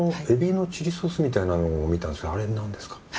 海老のチリソースみたいなのを見たんですがあれなんですか？